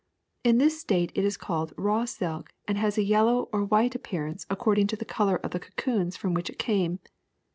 In this state it is called raw silk and has a yellow or a white appearance according to the color of the cocoons from which it came.